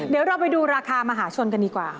เดี๋ยวเราไปดูราคามหาชนกันดีกว่า